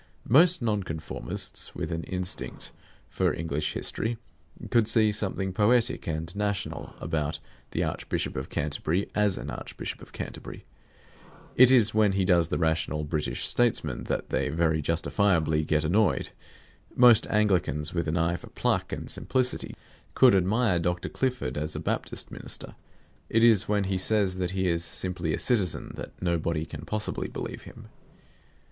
Most Nonconformists with an instinct for English history could see something poetic and national about the Archbishop of Canterbury as an Archbishop of Canterbury. It is when he does the rational British statesman that they very justifiably get annoyed. Most Anglicans with an eye for pluck and simplicity could admire Dr. Clifford as a Baptist minister. It is when he says that he is simply a citizen that nobody can possibly believe him.